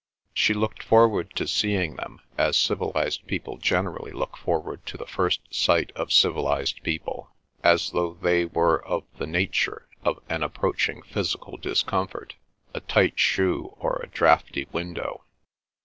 She looked forward to seeing them as civilised people generally look forward to the first sight of civilised people, as though they were of the nature of an approaching physical discomfort—a tight shoe or a draughty window.